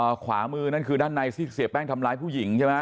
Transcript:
ขวามือนั่นคือด้านในที่เสียแป้งทำร้ายผู้หญิงใช่ไหม